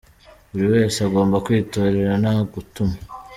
Buri wese agomba kwitorera nta gutuma.